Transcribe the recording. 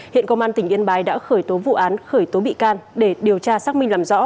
hiện công an tỉnh yên bái đã khởi tố vụ án khởi tố bị can để điều tra xác minh làm rõ